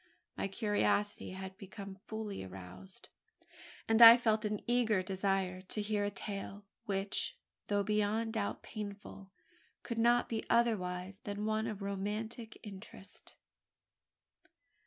My curiosity had become fully aroused; and I felt an eager desire to hear a tale, which, though beyond doubt painful, could not be otherwise than one of romantic interest.